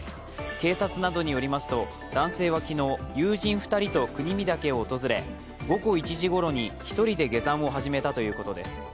警察などによりますと、男性は昨日友人２人と国見岳を訪れ、午後１時ごろに１人で下山を始めたということです